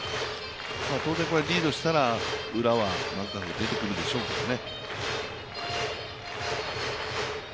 当然、リードしたらウラはマクガフが出てくるでしょうけどね。